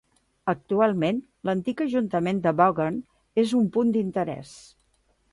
Actualment, l'antic ajuntament de Vaughan és un punt d'interès.